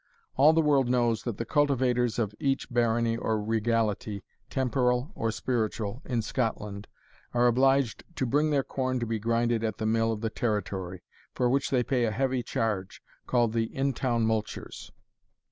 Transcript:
All the world knows that the cultivators of each barony or regality, temporal or spiritual, in Scotland, are obliged to bring their corn to be grinded at the mill of the territory, for which they pay a heavy charge, called the intown multures.